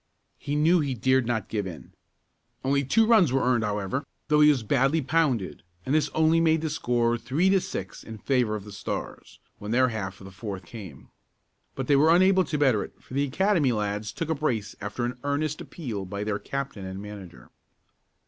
He knew he dared not give in. Only two runs were earned, however, though he was pretty badly pounded, and this only made the score three to six in favor of the Stars, when their half of the fourth came. But they were unable to better it for the Academy lads took a brace after an earnest appeal by their captain and manager.